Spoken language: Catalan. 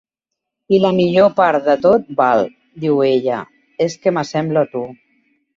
"I la millor part de tot, Val", diu ella, "és que m'assemblo a tu!